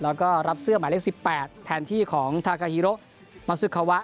แล้วก็รับเสื้อหมายเลข๑๘แทนที่ของทากาฮีโรมาซึคาวะ